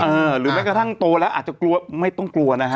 หรือแม้กระทั่งโตแล้วอาจจะกลัวไม่ต้องกลัวนะฮะ